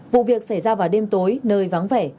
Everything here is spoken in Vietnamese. vụ việc xảy ra vào đêm tối nơi vắng vẻ